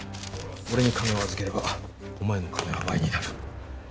俺に金を預ければお前の金は倍になる。